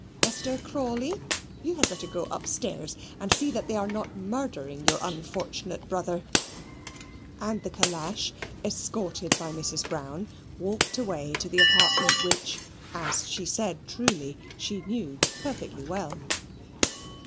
"Mr. Crawley, you had better go upstairs and see that they are not murdering your unfortunate brother" and the calash, escorted by Mrs. Brown, walked away to the apartment which, as she said truly, she knew perfectly well.